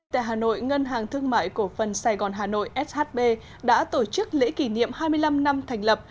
tại hà nội ngân hàng thương mại cổ phần sài gòn hà nội shb đã tổ chức lễ kỷ niệm hai mươi năm năm thành lập